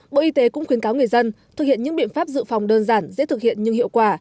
bộ y tế cũng khuyến cáo người dân thực hiện những biện pháp dự phòng đơn giản dễ thực hiện nhưng hiệu quả